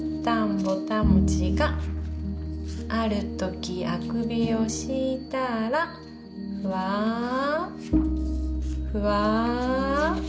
ぼたもちがあるときあくびをしーたーらふあふあ